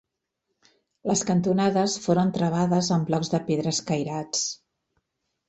Les cantonades foren travades amb blocs de pedra escairats.